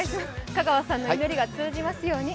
香川さんの祈りが通じますように。